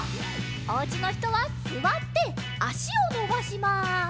おうちのひとはすわってあしをのばします。